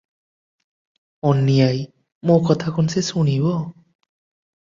ଅନୀ ଆଈ - ମୋ କଥା କଣ ସେ ଶୁଣିବ?